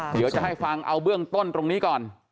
เดี๋ยวจะให้ฟังเอาเบื้องต้นตรงนี้ก่อน